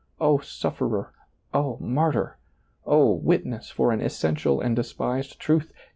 O sufferer ! O martyr ! O witness for an essential and despised truth